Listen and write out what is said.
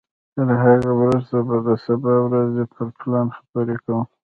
تر هغه وروسته به د سبا ورځې پر پلان خبرې کوو.